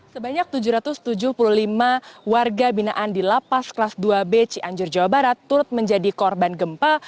sebanyak tujuh ratus tujuh puluh lima warga binaan di lapas kelas dua b cianjur jawa barat turut menjadi korban gempa